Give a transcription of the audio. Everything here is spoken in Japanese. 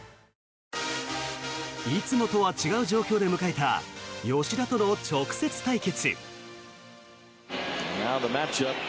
いつもとは違う状況で迎えた吉田との直接対決。